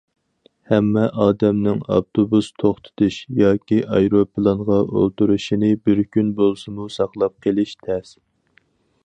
ھەممە ئادەمنىڭ ئاپتوبۇس توختىتىش ياكى ئايروپىلانغا ئولتۇرۇشنى بىر كۈن بولسىمۇ ساقلاپ قېلىشى تەس.